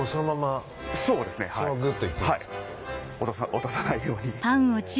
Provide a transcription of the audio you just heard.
落とさないように。